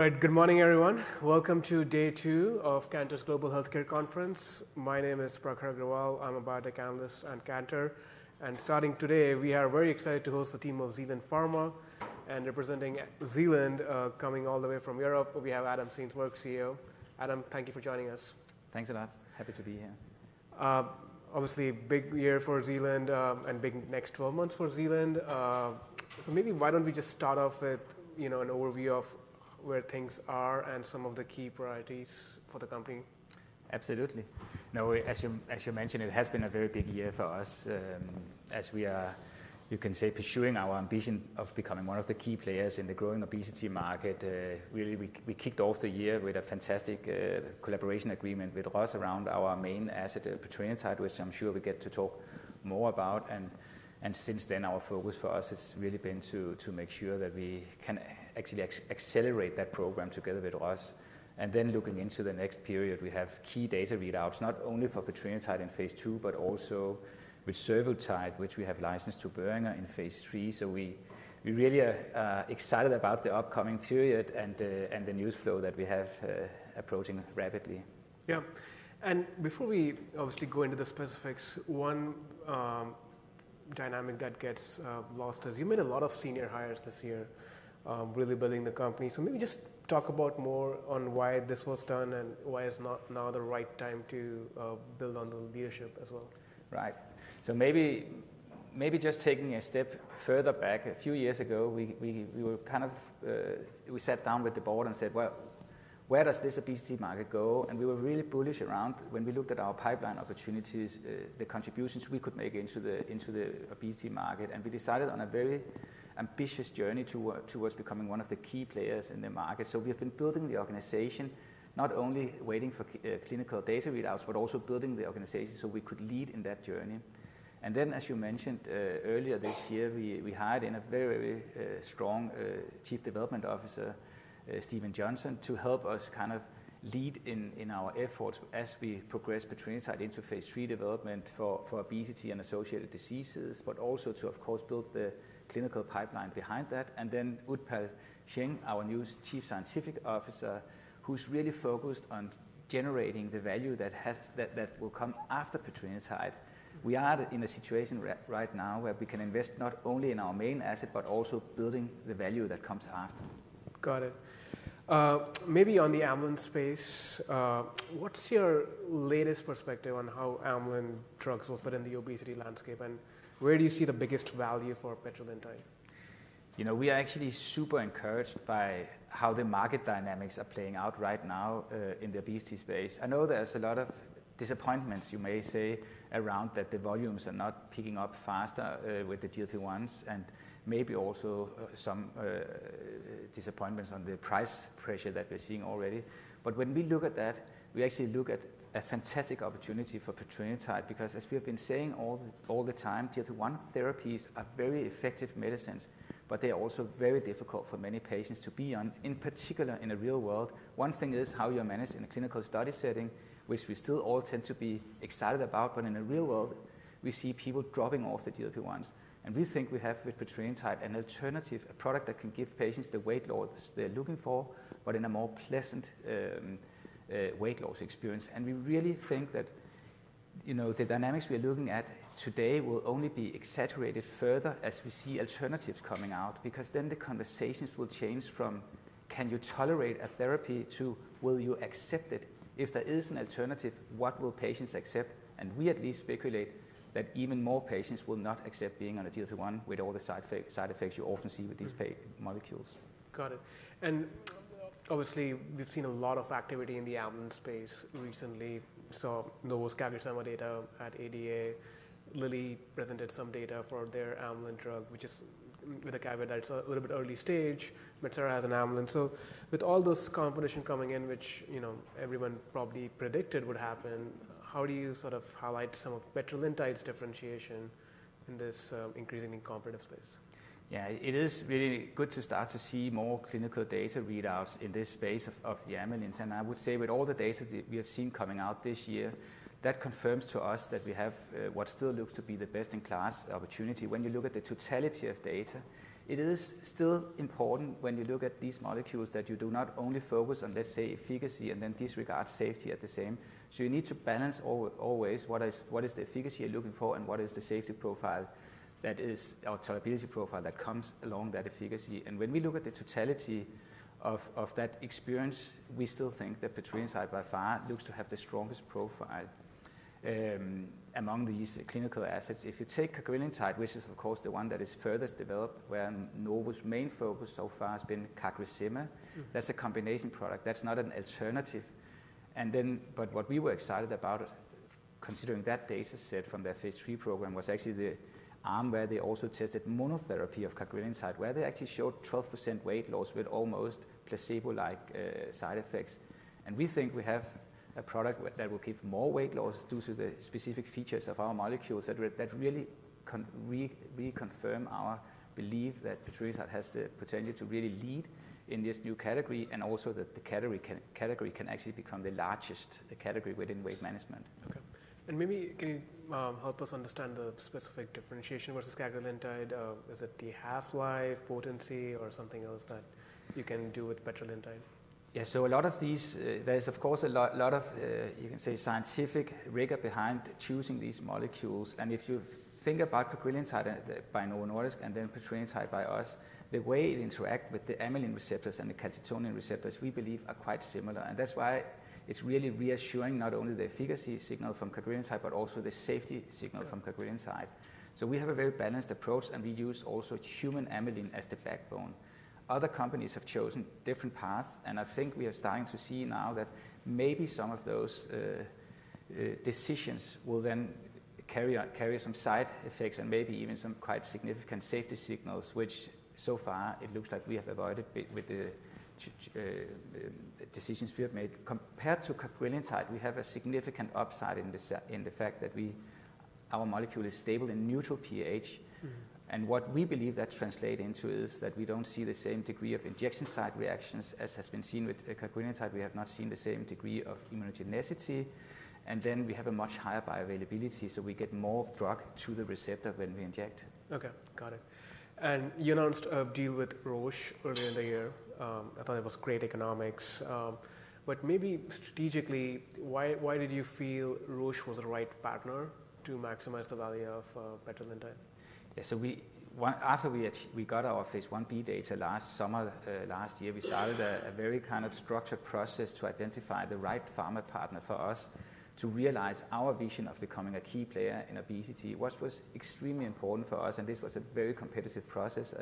... All right, good morning, everyone. Welcome to day two of Cantor's Global Healthcare Conference. My name is Prakhar Agrawal. I'm a biotech analyst at Cantor, and starting today, we are very excited to host the team of Zealand Pharma, and representing Zealand, coming all the way from Europe, we have Adam Steensberg, CEO. Adam, thank you for joining us. Thanks a lot. Happy to be here. Obviously, a big year for Zealand, and big next 12 months for Zealand. So maybe why don't we just start off with, you know, an overview of where things are and some of the key priorities for the company? Absolutely. No, as you mentioned, it has been a very big year for us, as we are, you can say, pursuing our ambition of becoming one of the key players in the growing obesity market. Really, we kicked off the year with a fantastic collaboration agreement with Roche around our main asset, petrelintide, which I'm sure we get to talk more about. And since then, our focus for us has really been to make sure that we can accelerate that program together with Roche. And then, looking into the next period, we have key data readouts, not only for petrelintide in phase 2, but also with survodutide, which we have licensed to Boehringer in phase 3. So we really are excited about the upcoming period and the news flow that we have approaching rapidly. Yeah. And before we obviously go into the specifics, one dynamic that gets lost is you made a lot of senior hires this year, really building the company. So maybe just talk about more on why this was done, and why is not now the right time to build on the leadership as well? Right. So maybe just taking a step further back, a few years ago, we were kind of. We sat down with the board and said, "Well, where does this obesity market go?" And we were really bullish around when we looked at our pipeline opportunities, the contributions we could make into the obesity market, and we decided on a very ambitious journey towards becoming one of the key players in the market. So we have been building the organization, not only waiting for clinical data readouts, but also building the organization so we could lead in that journey. And then, as you mentioned, earlier this year, we hired a very strong Chief Development Officer, Stephen Johnson, to help us kind of lead our efforts as we progress petrelintide into phase 3 development for obesity and associated diseases, but also to, of course, build the clinical pipeline behind that. Then Utpal Singh, our new Chief Scientific Officer, who's really focused on generating the value that will come after petrelintide. We are in a situation right now where we can invest not only in our main asset, but also building the value that comes after. Got it. Maybe on the amylin space, what's your latest perspective on how amylin drugs will fit in the obesity landscape, and where do you see the biggest value for petrelintide? You know, we are actually super encouraged by how the market dynamics are playing out right now in the obesity space. I know there's a lot of disappointments, you may say, around that the volumes are not picking up faster with the GLP-1s, and maybe also some disappointments on the price pressure that we're seeing already. But when we look at that, we actually look at a fantastic opportunity for petrelintide because, as we have been saying all the time, GLP-1 therapies are very effective medicines, but they are also very difficult for many patients to be on, in particular, in the real world. One thing is how you are managed in a clinical study setting, which we still all tend to be excited about, but in the real world, we see people dropping off the GLP-1s. We think we have, with petrelintide, an alternative, a product that can give patients the weight loss they're looking for, but in a more pleasant weight loss experience. We really think that, you know, the dynamics we are looking at today will only be exaggerated further as we see alternatives coming out because then the conversations will change from, "Can you tolerate a therapy?" to, "Will you accept it?" If there is an alternative, what will patients accept? We at least speculate that even more patients will not accept being on a GLP-1 with all the side effects you often see with these molecules. Got it. And obviously, we've seen a lot of activity in the amylin space recently. Saw Novo's CagriSema data at ADA. Lilly presented some data for their amylin drug, which is with a caveat that it's a little bit early stage, but still as an amylin. So with all this competition coming in, which, you know, everyone probably predicted would happen, how do you sort of highlight some of petrelintide's differentiation in this increasingly competitive space? Yeah, it is really good to start to see more clinical data readouts in this space of the amylins. I would say with all the data that we have seen coming out this year, that confirms to us that we have what still looks to be the best-in-class opportunity. When you look at the totality of data, it is still important, when you look at these molecules, that you do not only focus on, let's say, efficacy, and then disregard safety at the same. So you need to balance always what is the efficacy you are looking for, and what is the safety profile that is, or tolerability profile, that comes along that efficacy? When we look at the totality of that experience, we still think that petrelintide, by far, looks to have the strongest profile among these clinical assets. If you take cagrilintide, which is, of course, the one that is furthest developed, where Novo's main focus so far has been CagriSema- That's a combination product. That's not an alternative. Then, but what we were excited about, considering that data set from their phase 3 program, was actually the arm where they also tested monotherapy of cagrilintide, where they actually showed 12% weight loss with almost placebo-like side effects. And we think we have a product that will give more weight loss due to the specific features of our molecules that really reconfirm our belief that petrelintide has the potential to really lead in this new category, and also that the category can actually become the largest category within weight management. Okay, and maybe can you help us understand the specific differentiation versus cagrilintide? Is it the half-life potency or something else that you can do with petrelintide? Yeah, so a lot of these, there is, of course, a lot of, you can say, scientific rigor behind choosing these molecules. And if you think about cagrilintide by Novo Nordisk and then petrelintide by us, the way it interact with the amylin receptors and the calcitonin receptors, we believe are quite similar. And that's why it's really reassuring, not only the efficacy signal from cagrilintide, but also the safety signal from cagrilintide. So we have a very balanced approach, and we use also human amylin as the backbone. Other companies have chosen different paths, and I think we are starting to see now that maybe some of those decisions will then carry some side effects and maybe even some quite significant safety signals, which so far it looks like we have avoided with the decisions we have made. Compared to cagrilintide, we have a significant upside in the fact that our molecule is stable in neutral pH. What we believe that translate into is that we don't see the same degree of injection site reactions as has been seen with cagrilintide. We have not seen the same degree of immunogenicity, and then we have a much higher bioavailability, so we get more drug to the receptor when we inject. Okay, got it, and you announced a deal with Roche earlier in the year. I thought it was great economics, but maybe strategically, why did you feel Roche was the right partner to maximize the value of petrelintide? Yeah, so after we got our phase 1b data last summer, last year, we started a very kind of structured process to identify the right pharma partner for us to realize our vision of becoming a key player in obesity, which was extremely important for us, and this was a very competitive process.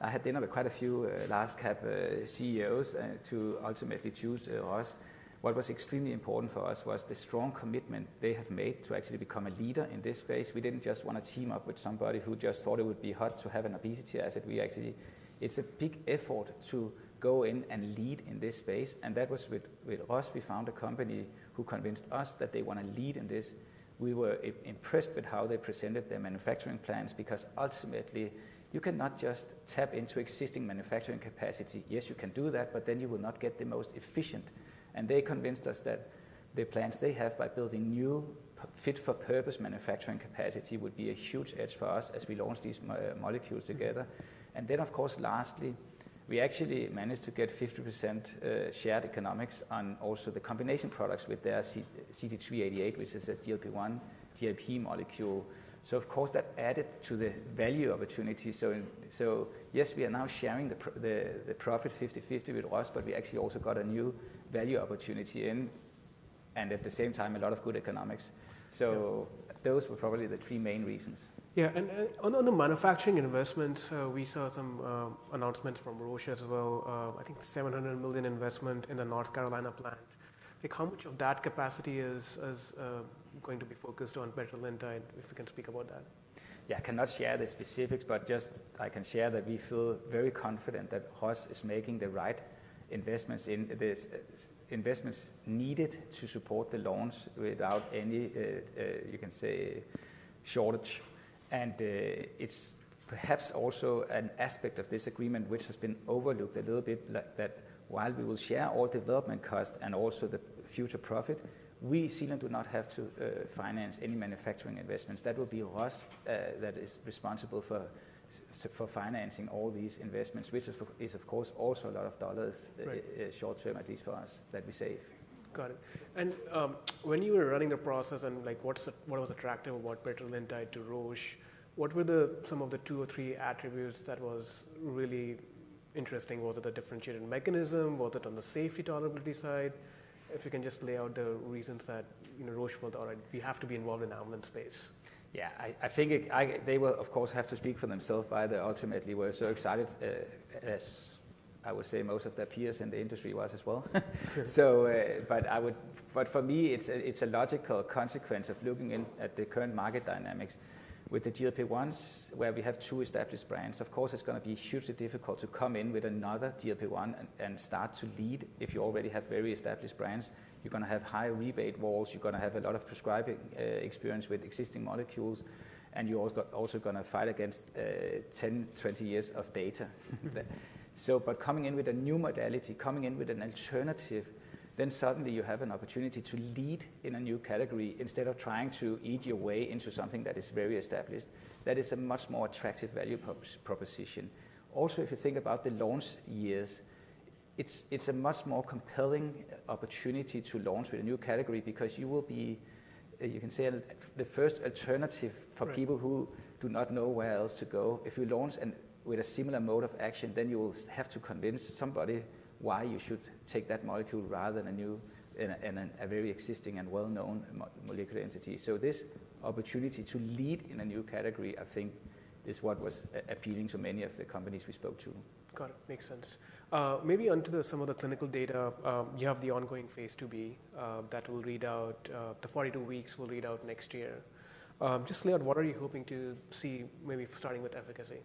I had dinner with quite a few large cap CEOs to ultimately choose us. What was extremely important for us was the strong commitment they have made to actually become a leader in this space. We didn't just wanna team up with somebody who just thought it would be hard to have an obesity asset. We actually... It's a big effort to go in and lead in this space, and that was with us. We found a company who convinced us that they wanna lead in this. We were impressed with how they presented their manufacturing plans, because ultimately, you cannot just tap into existing manufacturing capacity. Yes, you can do that, but then you will not get the most efficient. And they convinced us that the plans they have by building new, fit-for-purpose manufacturing capacity would be a huge edge for us as we launch these molecules together. And then, of course, lastly, we actually managed to get 50%, shared economics on also the combination products with their CT-388, which is a GLP-1 GIP molecule. So of course, that added to the value opportunity. So yes, we are now sharing the profit fifty-fifty with us, but we actually also got a new value opportunity in, and at the same time, a lot of good economics. Yeah. So those were probably the three main reasons. Yeah, and on the manufacturing investment, we saw some announcements from Roche as well. I think $700 million investment in the North Carolina plant. Like, how much of that capacity is going to be focused on petrelintide? If you can speak about that. Yeah, I cannot share the specifics, but just I can share that we feel very confident that Roche is making the right investments in this, investments needed to support the launch without any, you can say, shortage, and it's perhaps also an aspect of this agreement which has been overlooked a little bit, like that while we will share all development costs and also the future profit, we certainly do not have to finance any manufacturing investments. That would be Roche, that is responsible for financing all these investments, which is, of course, also a lot of dollars. Right Short-term, at least for us, that we save. Got it. And, when you were running the process and, like, what is, what was attractive about petrelintide to Roche, what were some of the two or three attributes that was really interesting? Was it the differentiated mechanism? Was it on the safety tolerability side? If you can just lay out the reasons that, you know, Roche thought, "All right, we have to be involved in the amylin space. Yeah. I think they will, of course, have to speak for themselves why they ultimately were so excited, as I would say, most of their peers in the industry was as well. Sure. For me, it's a logical consequence of looking in at the current market dynamics. With the GLP-1s, where we have two established brands, of course, it's gonna be hugely difficult to come in with another GLP-1 and start to lead if you already have very established brands. You're gonna have high rebate walls. You're gonna have a lot of prescribing experience with existing molecules, and you're also gonna fight against 10-20 years of data. Yeah. So, but coming in with a new modality, coming in with an alternative, then suddenly you have an opportunity to lead in a new category, instead of trying to eat your way into something that is very established. That is a much more attractive value proposition. Also, if you think about the launch years, it's a much more compelling opportunity to launch with a new category because you will be, you can say, the first alternative. Right For people who do not know where else to go. If you launch and with a similar mode of action, then you will have to convince somebody why you should take that molecule rather than a new and a very existing and well-known molecular entity. So this opportunity to lead in a new category, I think, is what was appealing to many of the companies we spoke to. Got it. Makes sense. Maybe onto some of the clinical data. You have the ongoing phase 2b that will read out. The forty-two weeks will read out next year. Just lay out what are you hoping to see, maybe starting with efficacy?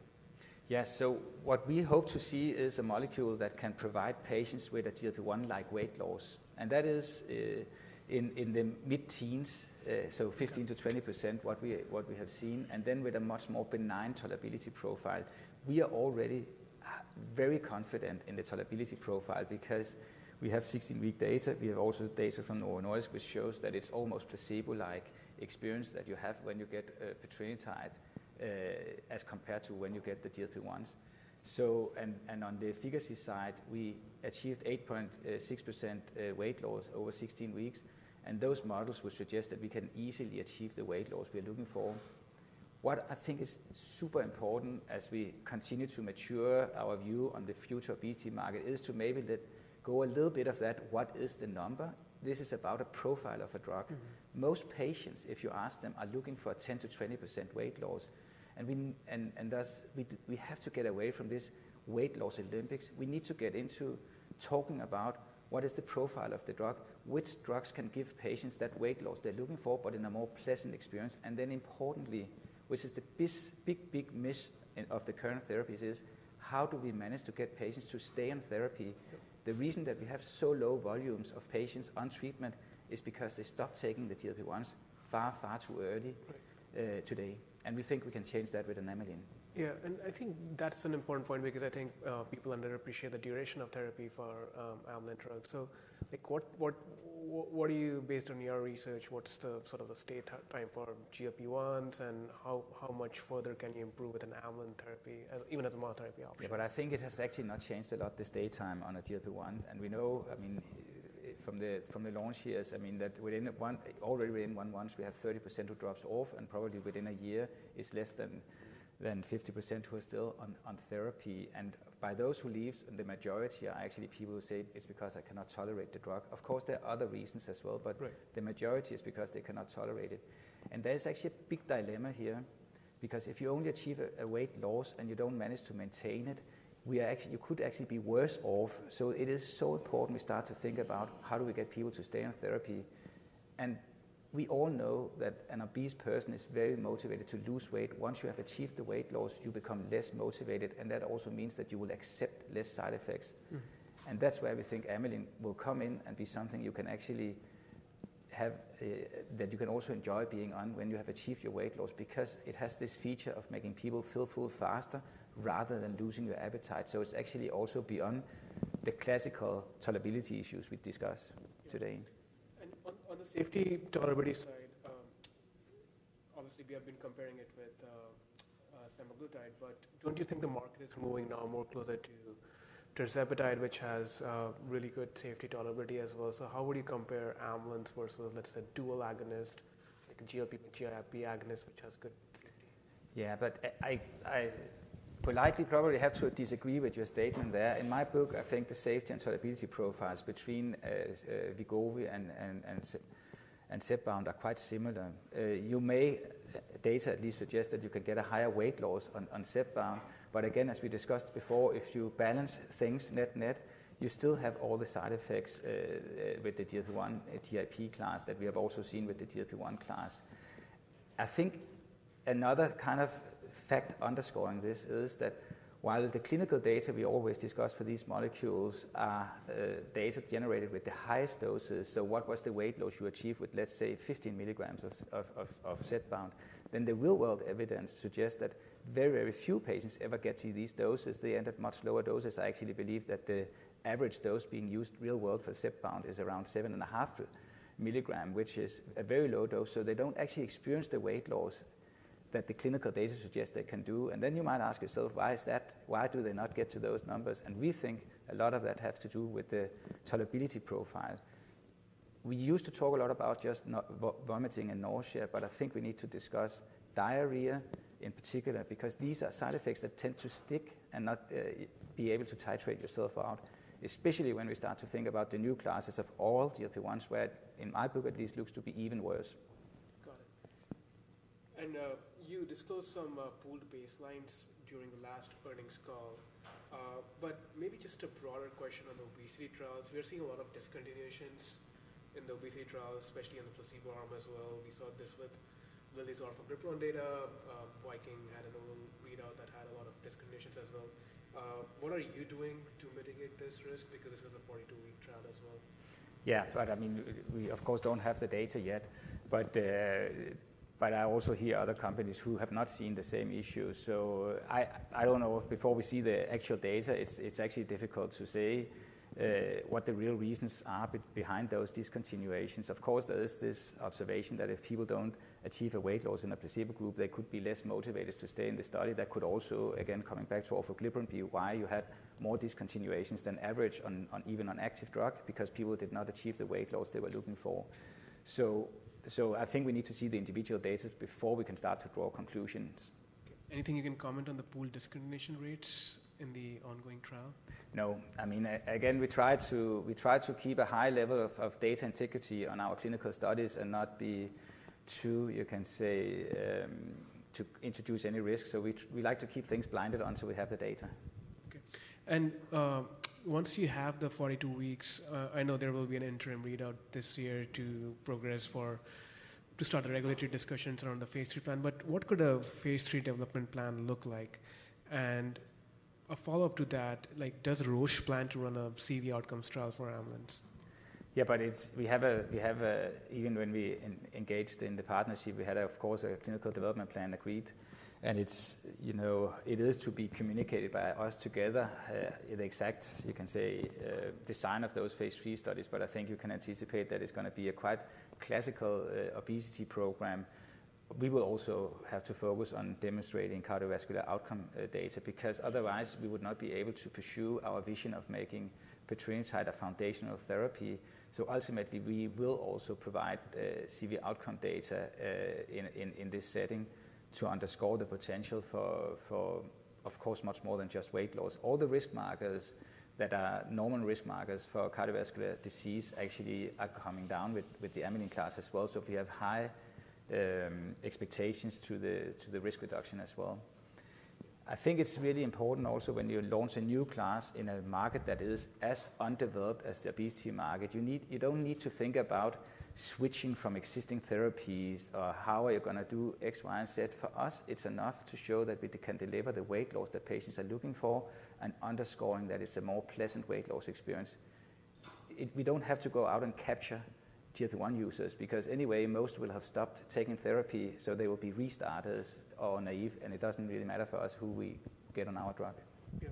Yeah. So what we hope to see is a molecule that can provide patients with a GLP-1-like weight loss, and that is in the mid-teens, so 15%-20%. Yeah What we, what we have seen, and then with a much more benign tolerability profile. We are already very confident in the tolerability profile because we have 16-week data. We have also data from the ORNOICE, which shows that it's almost placebo-like experience that you have when you get petrelintide as compared to when you get the GLP-1s. So, and on the efficacy side, we achieved 8.6% weight loss over 16 weeks, and those models would suggest that we can easily achieve the weight loss we are looking for. What I think is super important as we continue to mature our view on the future obesity market, is to maybe then go a little bit of that, what is the number? This is about a profile of a drug. Most patients, if you ask them, are looking for a 10%-20% weight loss, and thus, we have to get away from this weight loss Olympics. We need to get into talking about what is the profile of the drug, which drugs can give patients that weight loss they're looking for, but in a more pleasant experience. And then importantly, which is the big, big miss in of the current therapies, is: how do we manage to get patients to stay on therapy? Yep. The reason that we have so low volumes of patients on treatment is because they stop taking the GLP-1s far, far too early- Right Today, and we think we can change that with amylin. Yeah, and I think that's an important point because I think people underappreciate the duration of therapy for amylin drugs. So like, what are you, based on your research, what's the sort of stay time for GLP-1s, and how much further can you improve with an amylin therapy, as even as a monotherapy option? Yeah, but I think it has actually not changed a lot, the stay time on a GLP-1. And we know, I mean, from the launch years, I mean, that already within one month, we have 30% who drops off, and probably within a year, it's less than 50% who are still on therapy. And by those who leaves, and the majority are actually people who say, "It's because I cannot tolerate the drug." Of course, there are other reasons as well- Right But the majority is because they cannot tolerate it, and there's actually a big dilemma here, because if you only achieve a weight loss and you don't manage to maintain it, you could actually be worse off, so it is so important we start to think about how do we get people to stay on therapy, and we all know that an obese person is very motivated to lose weight. Once you have achieved the weight loss, you become less motivated, and that also means that you will accept less side effects. That's where we think amylin will come in and be something you can actually have, that you can also enjoy being on when you have achieved your weight loss, because it has this feature of making people feel full faster, rather than losing your appetite. It's actually also beyond the classical tolerability issues we discuss today. Yeah. And on the safety tolerability side, obviously, we have been comparing it with semaglutide, but don't you think the market is moving now more closer to tirzepatide, which has really good safety tolerability as well? So how would you compare amlins versus, let's say, dual agonist, like a GLP-GLP agonist, which has good safety? Yeah, but I politely probably have to disagree with your statement there. In my book, I think the safety and tolerability profiles between Wegovy and Zepbound are quite similar. You may... the data at least suggest that you can get a higher weight loss on Zepbound. But again, as we discussed before, if you balance things net-net, you still have all the side effects with the GLP-1 tirzepatide class that we have also seen with the GLP-1 class. I think another kind of fact underscoring this is that while the clinical data we always discuss for these molecules are data generated with the highest doses, so what was the weight loss you achieved with, let's say, 15 milligrams of Zepbound? then the real-world evidence suggests that very, very few patients ever get to these doses. They end at much lower doses. I actually believe that the average dose being used real-world for Zepbound is around seven and a half milligram, which is a very low dose, so they don't actually experience the weight loss that the clinical data suggests they can do. And then you might ask yourself, why is that? Why do they not get to those numbers? And we think a lot of that has to do with the tolerability profile. We used to talk a lot about just not vomiting and nausea, but I think we need to discuss diarrhea in particular, because these are side effects that tend to stick and not be able to titrate yourself out, especially when we start to think about the new classes of oral GLP-1s, where, in my book, at least, looks to be even worse. Got it. And you disclosed some pooled baselines during the last earnings call. But maybe just a broader question on obesity trials. We are seeing a lot of discontinuations in the obesity trials, especially on the placebo arm as well. We saw this with Lilly's orforglipron data. Viking had an overall readout that had a lot of discontinuations as well. What are you doing to mitigate this risk? Because this is a forty-two-week trial as well. Yeah, right. I mean, we of course don't have the data yet, but but I also hear other companies who have not seen the same issues. So I don't know. Before we see the actual data, it's actually difficult to say what the real reasons are behind those discontinuations. Of course, there is this observation that if people don't achieve a weight loss in a placebo group, they could be less motivated to stay in the study. That could also, again, coming back to orforglipron, be why you had more discontinuations than average on even an active drug, because people did not achieve the weight loss they were looking for. So I think we need to see the individual data before we can start to draw conclusions. Okay. Anything you can comment on the pooled discontinuation rates in the ongoing trial? No. I mean, again, we try to keep a high level of data integrity on our clinical studies and not be too, you can say, to introduce any risk. So we like to keep things blinded until we have the data. Okay. And once you have the 42 weeks, I know there will be an interim readout this year to start the regulatory discussions around the phase 3 plan. But what could a phase 3 development plan look like? And a follow-up to that, like, does Roche plan to run a CV outcomes trial for amylin analogs? Yeah, but even when we engaged in the partnership, we had, of course, a clinical development plan agreed, and, you know, it is to be communicated by us together, the exact, you can say, design of those phase III studies, but I think you can anticipate that it's gonna be a quite classical obesity program. We will also have to focus on demonstrating cardiovascular outcome data, because otherwise we would not be able to pursue our vision of making petrelintide a foundational therapy. So ultimately, we will also provide CV outcome data in this setting to underscore the potential for, of course, much more than just weight loss. All the risk markers that are normal risk markers for cardiovascular disease actually are coming down with the amylin class as well, so we have high expectations to the risk reduction as well. I think it's really important also when you launch a new class in a market that is as undeveloped as the obesity market. You don't need to think about switching from existing therapies or how are you gonna do X, Y, and Z. For us, it's enough to show that we can deliver the weight loss that patients are looking for and underscoring that it's a more pleasant weight loss experience. We don't have to go out and capture GLP-1 users, because anyway, most will have stopped taking therapy, so they will be restarters or naive, and it doesn't really matter for us who we get on our drug. Yeah.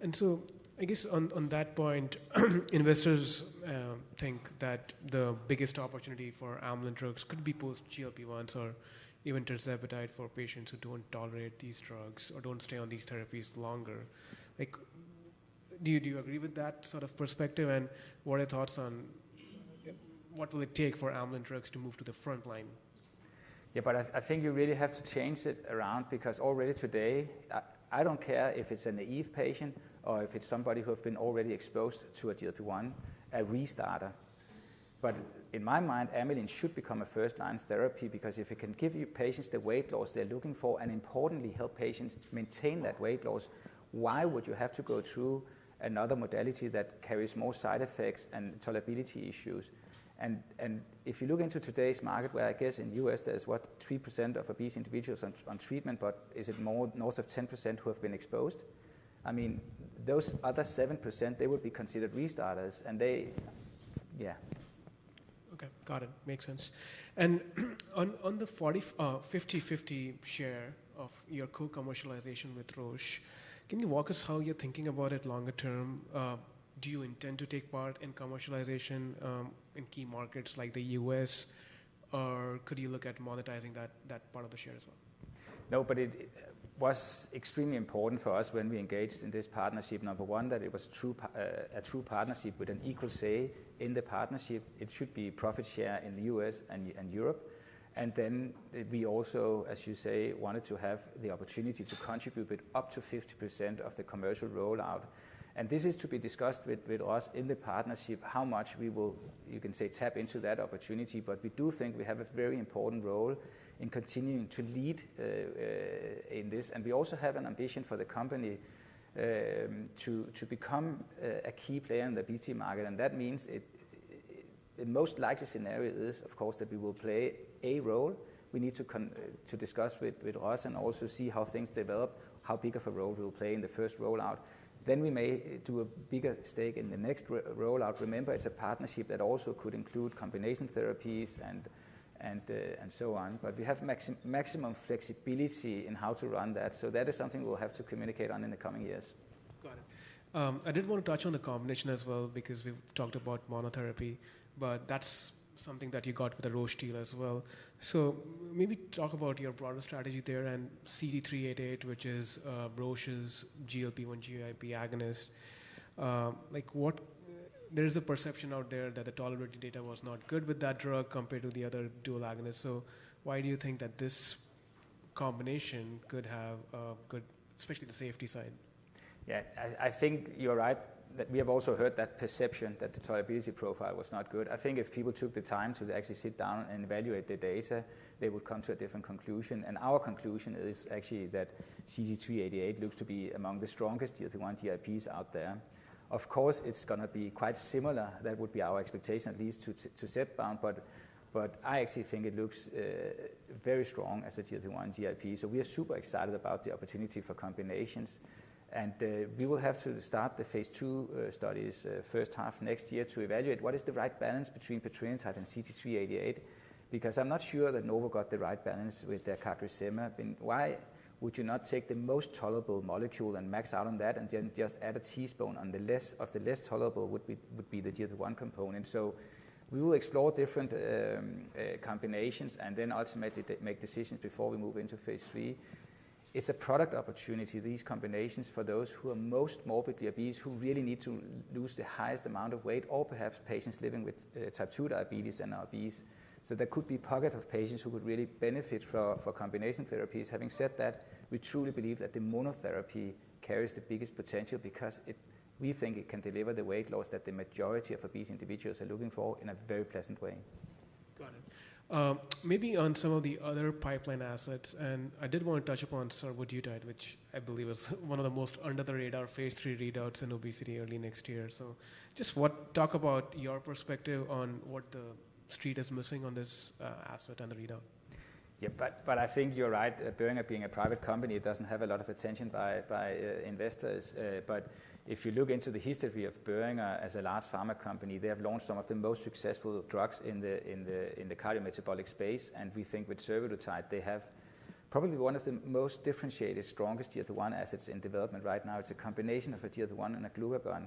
And so I guess on that point, investors think that the biggest opportunity for Amylin drugs could be post-GLP-1s or even tirzepatide for patients who don't tolerate these drugs or don't stay on these therapies longer. Like, do you agree with that sort of perspective? And what are your thoughts on what will it take for Amylin drugs to move to the front line? Yeah, but I think you really have to change it around because already today, I don't care if it's a naive patient or if it's somebody who have been already exposed to a GLP-1, a restarter. But in my mind, Amylin should become a first-line therapy, because if it can give your patients the weight loss they're looking for, and importantly, help patients maintain that weight loss, why would you have to go through another modality that carries more side effects and tolerability issues? And if you look into today's market, where I guess in U.S., there's, what, 3% of obese individuals on treatment, but is it more, north of 10% who have been exposed? I mean, those other 7%, they would be considered restarters, and they... Yeah. Okay, got it. Makes sense. And on the 50-50 share of your co-commercialization with Roche, can you walk us how you're thinking about it longer term? Do you intend to take part in commercialization in key markets like the U.S., or could you look at monetizing that part of the share as well? No, but it was extremely important for us when we engaged in this partnership, number one, that it was a true partnership with an equal say in the partnership. It should be profit share in the U.S. and Europe. Then we also, as you say, wanted to have the opportunity to contribute with up to 50% of the commercial rollout, and this is to be discussed with us in the partnership, how much we will, you can say, tap into that opportunity. But we do think we have a very important role in continuing to lead in this, and we also have an ambition for the company to become a key player in the obesity market, and that means the most likely scenario is, of course, that we will play a role. We need to discuss with us and also see how things develop, how big of a role we'll play in the first rollout. Then we may do a bigger stake in the next rollout. Remember, it's a partnership that also could include combination therapies and so on, but we have maximum flexibility in how to run that, so that is something we'll have to communicate on in the coming years. Got it. I did want to touch on the combination as well, because we've talked about monotherapy, but that's something that you got with the Roche deal as well. So maybe talk about your product strategy there and CT-388, which is Roche's GLP-1 GIP agonist. There is a perception out there that the tolerability data was not good with that drug compared to the other dual agonists, so why do you think that this combination could have a good, especially the safety side? Yeah, I think you're right, that we have also heard that perception that the tolerability profile was not good. I think if people took the time to actually sit down and evaluate the data, they would come to a different conclusion, and our conclusion is actually that CT-388 looks to be among the strongest GLP-1/GIPs out there. Of course, it's gonna be quite similar. That would be our expectation, at least to Zepbound, but I actually think it looks very strong as a GLP-1/GIP. So we are super excited about the opportunity for combinations, and we will have to start the phase 2 studies first half next year to evaluate what is the right balance between petrelintide and CT-388, because I'm not sure that Novo got the right balance with their CagriSema. And why would you not take the most tolerable molecule and max out on that, and then just add a teaspoon of the less tolerable would be the GLP-1 component? So we will explore different combinations and then ultimately make decisions before we move into phase III. It's a product opportunity, these combinations, for those who are most morbidly obese, who really need to lose the highest amount of weight, or perhaps patients living with type II diabetes and obesity. So there could be a pocket of patients who would really benefit from combination therapies. Having said that, we truly believe that the monotherapy carries the biggest potential because it, we think it can deliver the weight loss that the majority of obese individuals are looking for in a very pleasant way. Got it. Maybe on some of the other pipeline assets, and I did want to touch upon survodutide, which I believe is one of the most under-the-radar phase 3 readouts in obesity early next year. So talk about your perspective on what the street is missing on this, asset and the readout. Yeah, but I think you're right. Boehringer being a private company, it doesn't have a lot of attention by investors. But if you look into the history of Boehringer as a large pharma company, they have launched some of the most successful drugs in the cardiometabolic space. And we think with survodutide, they have probably one of the most differentiated, strongest GLP-1 assets in development right now. It's a combination of a GLP-1 and a glucagon.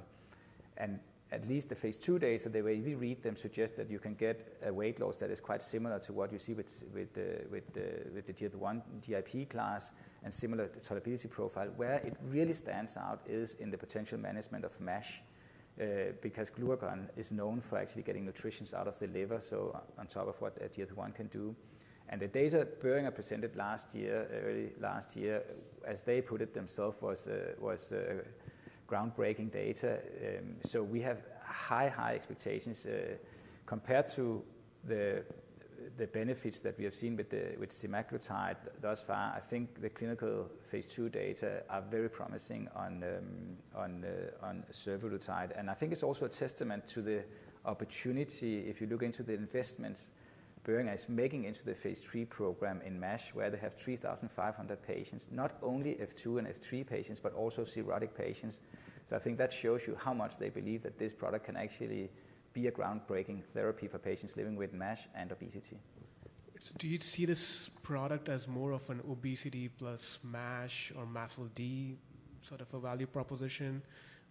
And at least the phase 2 data, the way we read them, suggest that you can get a weight loss that is quite similar to what you see with the GLP-1/GIP class and similar tolerability profile. Where it really stands out is in the potential management of MASH, because glucagon is known for actually getting nutrients out of the liver, so on top of what a GLP-1 can do. And the data Boehringer presented last year, early last year, as they put it themselves, was groundbreaking data. So we have high expectations compared to the benefits that we have seen with semaglutide thus far. I think the clinical phase 2 data are very promising on survodutide. And I think it's also a testament to the opportunity, if you look into the investments Boehringer is making into the phase 3 program in MASH, where they have 3,500 patients, not only F2 and F3 patients, but also cirrhotic patients. I think that shows you how much they believe that this product can actually be a groundbreaking therapy for patients living with MASH and obesity. Do you see this product as more of an obesity plus MASH or MASLD sort of a value proposition,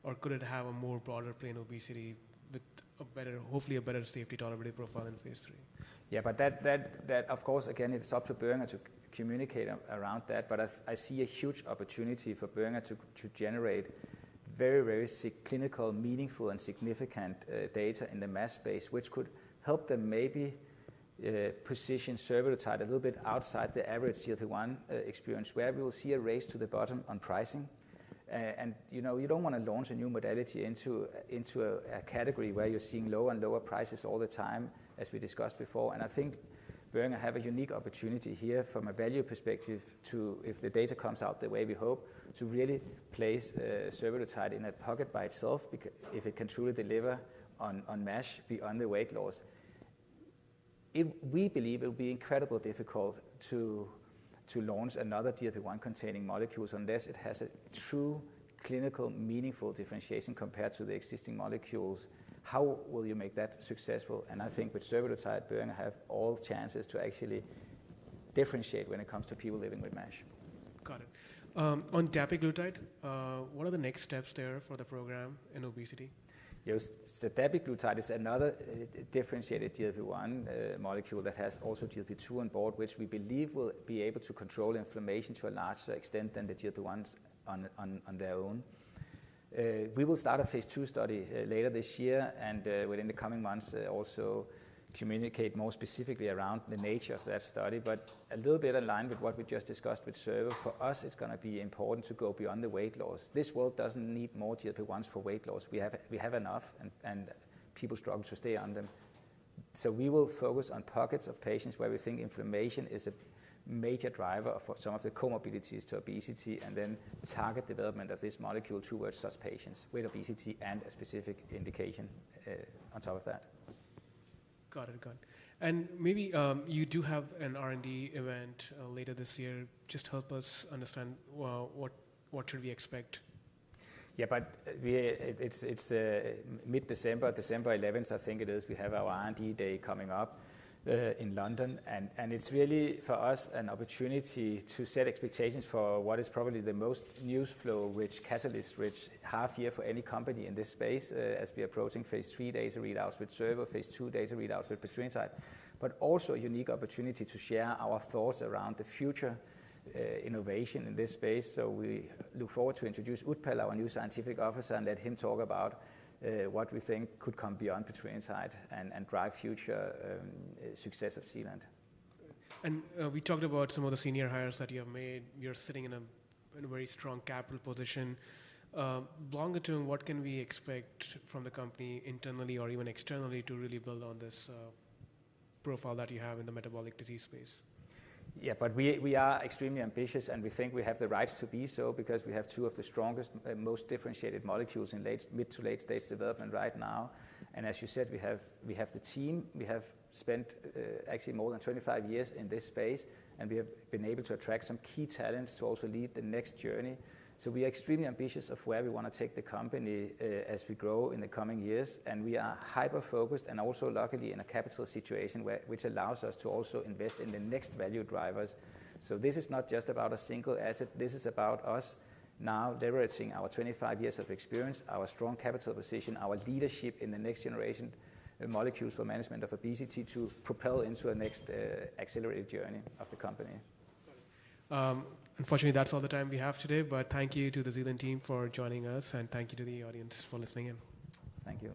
or could it have a more broader plain obesity with a better, hopefully a better safety tolerability profile in phase 3? Yeah, but that, of course, again, it's up to Boehringer to communicate around that. But I see a huge opportunity for Boehringer to generate very, very significant clinical, meaningful, and significant data in the MASH space, which could help them maybe position survodutide a little bit outside the average GLP-1 experience, where we will see a race to the bottom on pricing. And, you know, you don't wanna launch a new modality into a category where you're seeing lower and lower prices all the time, as we discussed before. And I think Boehringer have a unique opportunity here from a value perspective to, if the data comes out the way we hope, to really place survodutide in a pocket by itself, because if it can truly deliver on MASH beyond the weight loss. We believe it will be incredibly difficult to launch another GLP-1 containing molecules, unless it has a true clinically meaningful differentiation compared to the existing molecules. How will you make that successful? And I think with survodutide, Boehringer have all chances to actually differentiate when it comes to people living with MASH. Got it. On dapiglutide, what are the next steps there for the program in obesity? Yes, so dapiglutide is another differentiated GLP-1 molecule that has also GLP-2 on board, which we believe will be able to control inflammation to a larger extent than the GLP-1s on their own. We will start a phase two study later this year, and within the coming months also communicate more specifically around the nature of that study. But a little bit aligned with what we just discussed with survodutide, for us, it's gonna be important to go beyond the weight loss. This world doesn't need more GLP-1s for weight loss. We have enough, and people struggle to stay on them. So we will focus on pockets of patients where we think inflammation is a major driver for some of the comorbidities to obesity, and then target development of this molecule towards such patients with obesity and a specific indication on top of that. Got it. Got it. And maybe you do have an R&D event later this year. Just help us understand, well, what should we expect? Yeah, but it's mid-December, December eleventh, I think it is. We have our R&D day coming up in London, and it's really, for us, an opportunity to set expectations for what is probably the most news flow-rich, catalyst-rich half year for any company in this space, as we're approaching phase three data readouts with survodutide, phase two data readouts with petrelintide. But also a unique opportunity to share our thoughts around the future innovation in this space. So we look forward to introduce Utpal, our new scientific officer, and let him talk about what we think could come beyond petrelintide and drive future success of Zealand. And, we talked about some of the senior hires that you have made. You're sitting in a very strong capital position. Longer term, what can we expect from the company internally or even externally to really build on this profile that you have in the metabolic disease space? Yeah, but we are extremely ambitious, and we think we have the right to be so because we have two of the strongest and most differentiated molecules in mid- to late-stage development right now. And as you said, we have the team. We have spent actually more than 25 years in this space, and we have been able to attract some key talents to also lead the next journey. We are extremely ambitious of where we wanna take the company as we grow in the coming years, and we are hyper-focused and also luckily in a capital situation which allows us to also invest in the next value drivers. This is not just about a single asset. This is about us now leveraging our twenty-five years of experience, our strong capital position, our leadership in the next generation, molecules for management of obesity to propel into a next, accelerated journey of the company. Unfortunately, that's all the time we have today, but thank you to the Zealand team for joining us, and thank you to the audience for listening in. Thank you.